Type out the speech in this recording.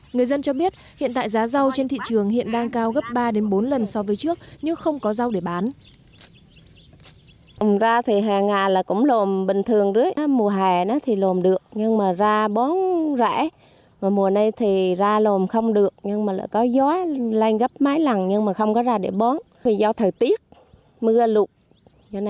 người dân cho biết hiện tại giá rau trên thị trường hiện đang cao gấp ba bốn lần so với trước nhưng không có rau để bán